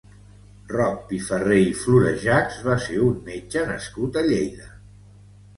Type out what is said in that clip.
Roc Pifarré i Florejachs va ser un metge nascut a Lleida.